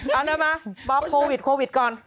เอาหน่อยมาบอกโควิดโควิดก่อน